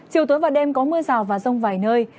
chiều tối và đêm có mưa rào và rông vài nơi